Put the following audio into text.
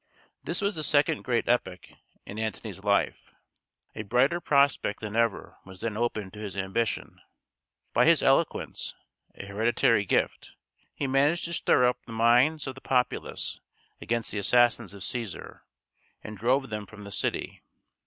This was the second great epoch in Antony's life. A brighter prospect than ever was then opened to his ambition. By his eloquence a hereditary gift he managed to stir up the minds of the populace against the assassins of Cæsar, and drove them from the city.